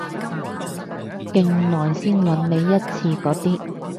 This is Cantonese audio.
勁耐先搵你一次嗰啲